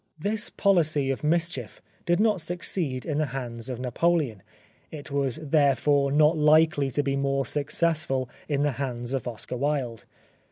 This pohcy of mischief did not succeed in the hands of Napoleon ; it was therefore not likely to be more successful in the hands of Oscar Wilde.